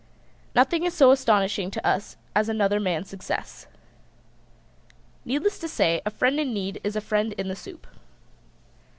Nothing is so astonishing to us as another man's success. Needless to say, a friend in need is a friend in the soup.